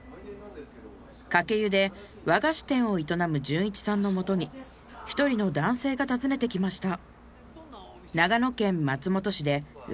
鹿教湯で和菓子店を営む淳一さんの元に一人の男性が訪ねてきました